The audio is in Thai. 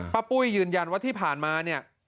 ปุ้ยยืนยันว่าที่ผ่านมาเนี่ย